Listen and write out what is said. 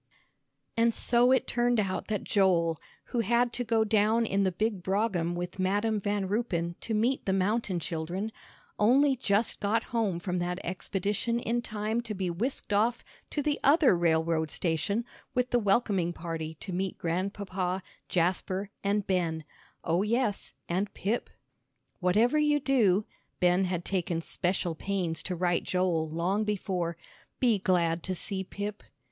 And so it turned out that Joel, who had to go down in the big brougham with Madam Van Ruypen to meet the mountain children, only just got home from that expedition in time to be whisked off to the other railroad station with the welcoming party to meet Grandpapa, Jasper, and Ben oh, yes, and Pip! "Whatever you do," Ben had taken special pains to write Joel long before, "be glad to see Pip."